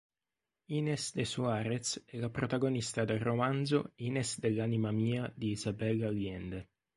Inés de Suárez è la protagonista del romanzo "Inés dell'anima mia" di Isabel Allende.